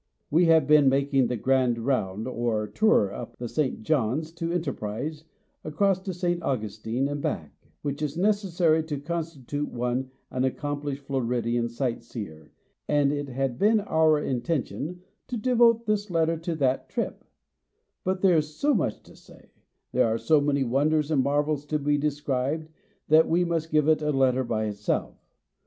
We have just been making the grand round, or tour up the St. John's to Enterprise, across to St. Augustine, and back; which is necessary to constitute one an accomplished Floridian sight seer: and it had been our intention to devote this letter to that trip; but there is so much to say, there are so many wonders and marvels to be described, that we must give it a letter by itself.